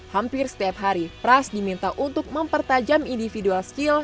hampir setiap hari pras diminta untuk mempertajam individual skill